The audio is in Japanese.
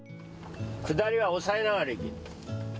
下りは抑えながら行け。